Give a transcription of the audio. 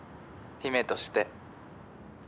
姫として？